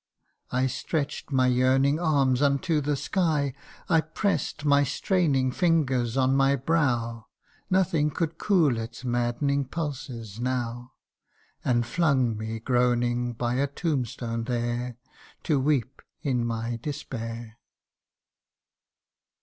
I stretch'd my yearning arms unto the sky, I press'd my straining fingers on my brow, (Nothing could cool its maddening pulses now,) And flung me groaning by a tombstone there To weep in my despair